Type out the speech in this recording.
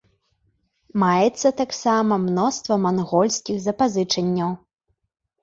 Маецца таксама мноства мангольскіх запазычанняў.